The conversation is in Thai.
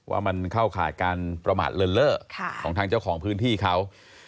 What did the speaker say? ว่ามันเข้าข่ายการประมาทเลินเล่อของทางเจ้าของพื้นที่เขา